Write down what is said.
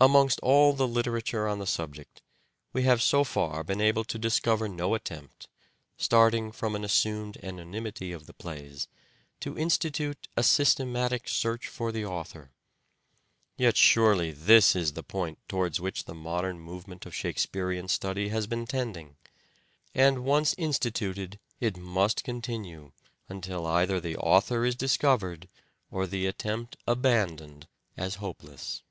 Amongst all the literature on the subject, we have so far been able to discover no attempt, starting from an assumed anonymity of the plays, to institute a systematic search for the author. Yet surely this is the point towards which the modern movement METHOD OF SOLUTION 103 of Shakespearean study has been tending ; and once instituted it must continue until either the author is discovered or the attempt abandoned as hopeless.